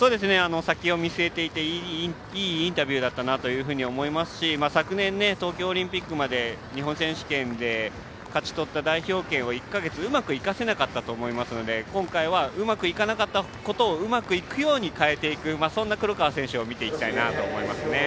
先を見据えていていいインタビューだったなと思いますし、昨年東京オリンピックまで日本選手権で勝ち取った代表権を１か月、うまく生かせなかったと思いますので今回はうまくいかなかったことをうまくいくように変えていく、そんな黒川選手を見ていきたいなと思います。